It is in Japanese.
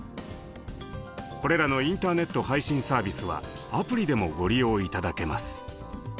これらのインターネット配信サービスはアプリでもご利用頂けます。